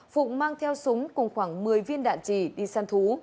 phùng mang theo súng cùng khoảng một mươi viên đạn trì đi săn thú